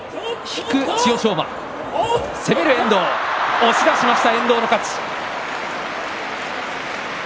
押し出しました遠藤の勝ち。